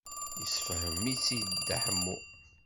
Yessefhem-itt-id Dda Ḥemmu.